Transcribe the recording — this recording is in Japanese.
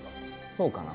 そうかな？